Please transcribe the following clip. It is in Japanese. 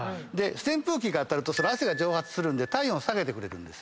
扇風機当たると汗が蒸発するんで体温下げてくれる。